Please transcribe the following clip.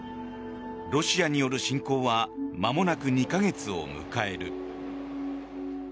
ロシアによる侵攻はまもなく２か月を迎える。